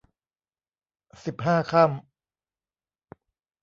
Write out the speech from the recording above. สิบห้าค่ำ